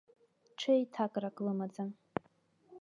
Ҽеиҭакрак лымаӡам.